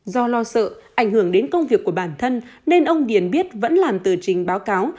do lo sợ ảnh hưởng đến công việc của bản thân nên ông điền biết vẫn làm tờ trình báo cáo